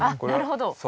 なるほど！